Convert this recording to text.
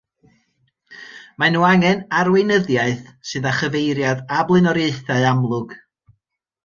Mae nhw angen arweinyddiaeth sydd â chyfeiriad a blaenoriaethau amlwg.